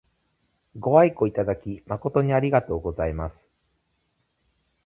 ご愛顧いただき誠にありがとうございます。